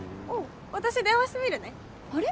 私電話してみるねあれ？